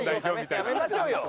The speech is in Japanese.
やめましょうよ。